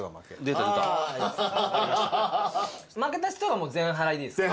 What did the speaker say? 負けた人が全払いでいいですか？